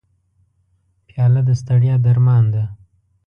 پیاله د ستړیا درمان ده.